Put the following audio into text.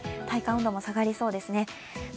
体感温度も下がりそうですね。